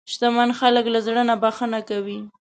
شتمن خلک له زړه نه بښنه کوي.